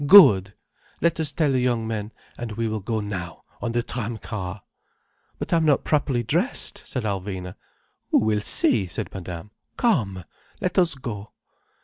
Good! Let us tell the young men, and we will go now, on the tram car." "But I am not properly dressed," said Alvina. "Who will see?" said Madame. "Come, let us go."